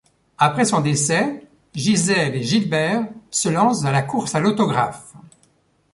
Après son décès, Gisèle et Gilbert se lancent dans la course à l’autographe…